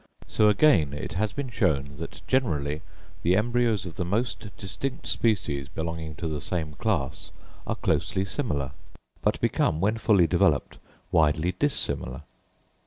So again it has been shown that generally the embryos of the most distinct species belonging to the same class are closely similar, but become, when fully developed, widely dissimilar.